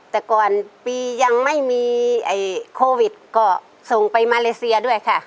แต่ก่อนปียังไม่มีโควิดก็ส่งไปมาเลเซียด้วยค่ะ